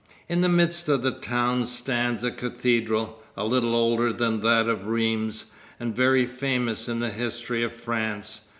In the midst of the town stands a cathedral, a little older than that of Rheims and very famous in the history of France.